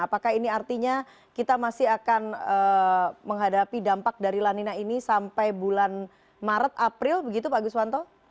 apakah ini artinya kita masih akan menghadapi dampak dari lanina ini sampai bulan maret april begitu pak guswanto